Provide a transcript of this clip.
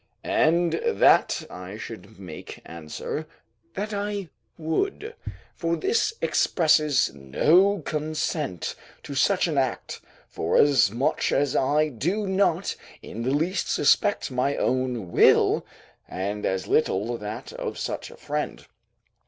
and that I should make answer, that I would; for this expresses no consent to such an act, forasmuch as I do not in the least suspect my own will, and as little that of such a friend.